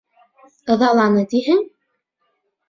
Ыҙаланы тиһең?